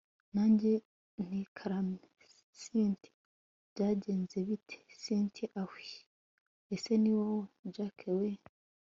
nanjye nti karame cynti! byagenze bite!? cyntia ahwiiiih! ese niwowe jack we